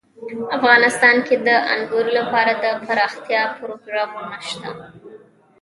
افغانستان کې د انګور لپاره دپرمختیا پروګرامونه شته.